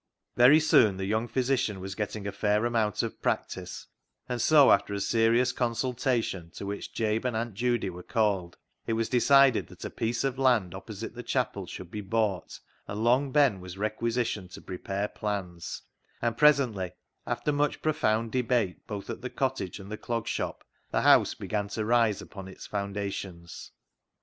Very soon the young physician was getting a fair amount of practice, and so, after a seri ous consultation, to which Jabe and Aunt Judy were called, it was decided that a piece of land opposite the chapel should be bought, and Long Ben was requisitioned to prepare plans ; and presently, after much profound debate both at the cottage and the Clog Shop, the house began to rise upon its foundations.